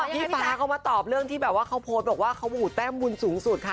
ไม่จบพี่ฟ้าก็มาตอบเรื่องที่เขาโพสต์ว่าเขามุฒตแมนมุนสูงสุดค่ะ